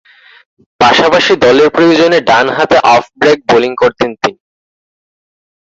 পাশাপাশি দলের প্রয়োজনে ডানহাতে অফ ব্রেক বোলিং করতেন তিনি।